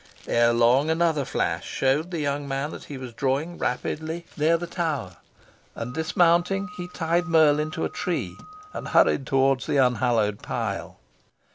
Erelong, another flash showed the young man that he was drawing rapidly near the tower, and dismounting, he tied Merlin to a tree, and hurried towards the unhallowed pile.